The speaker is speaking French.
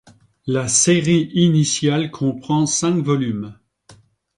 La série initiale comprend cinq volumes.